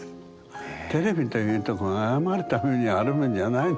テレビというとこが謝るためにあるもんじゃないんですよね。